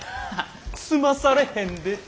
済まされへんでって。